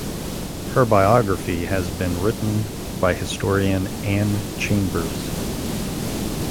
Her biography has been written by historian Anne Chambers.